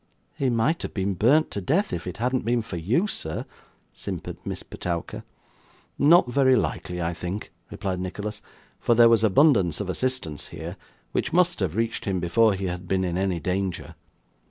'He might have been burnt to death, if it hadn't been for you, sir,' simpered Miss Petowker. 'Not very likely, I think,' replied Nicholas; 'for there was abundance of assistance here, which must have reached him before he had been in any danger.